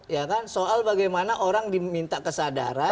ya kan soal bagaimana orang diminta kesadaran